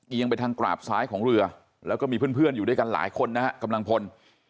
ไปทางกราบซ้ายของเรือแล้วก็มีเพื่อนอยู่ด้วยกันหลายคนนะฮะกำลังพล